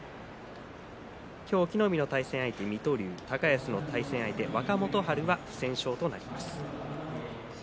今日、隠岐の海の対戦相手水戸龍高安と対戦相手、若元春は不戦勝となります。